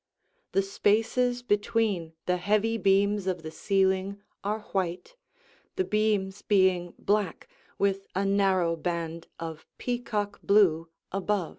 The spaces between the heavy beams of the ceiling are white, the beams being black with a narrow band of peacock blue above.